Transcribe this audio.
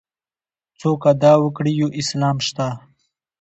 څوک ادعا وکړي یو اسلام شته.